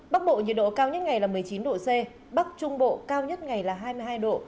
bắc bộ nhiệt độ cao nhất ngày là một mươi chín độ c bắc trung bộ cao nhất ngày là hai mươi hai độ